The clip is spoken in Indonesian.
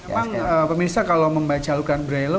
emang pemirsa kalau membaca al quran braille